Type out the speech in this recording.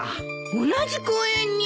同じ公園に！？